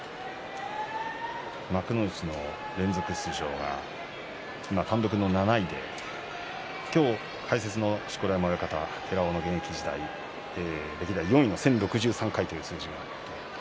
幕内の連続出場が単独の７位で今日解説の錣山親方、寺尾も現役時代４位の１０６３回という数字があります。